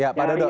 ya pak dodo